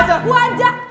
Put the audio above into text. udah gue ajak